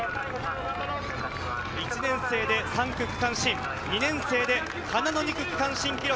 １年生で３区区間新、２年生で花の２区、区間新記録。